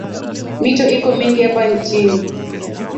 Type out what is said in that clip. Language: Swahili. Mito iko mingi hapa nchini